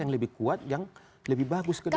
yang lebih kuat yang lebih bagus ke depan